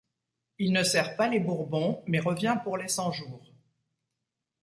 Il ne sert pas les bourbons, mais revient pour les cent jours.